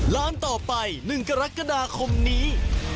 ร้านต่อไป๑กรกฎาคมนี้